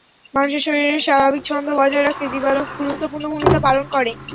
মানুষের শরীরের স্বাভাবিক ছন্দ বজায় রাখতে দিবালোক গুরুত্বপূর্ণ ভূমিকা পালন করে।